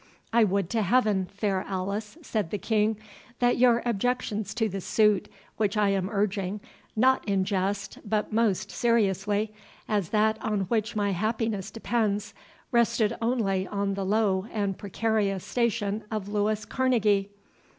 "I would to Heaven, fair Alice," said the King, "that your objections to the suit which I am urging, not in jest, but most seriously, as that on which my happiness depends, rested only on the low and precarious station of Louis Kerneguy!